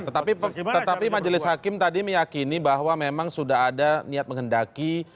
tetapi majelis hakim tadi meyakini bahwa memang sudah ada niat menghendaki